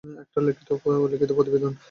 একটা লিখিত প্রতিবেদন।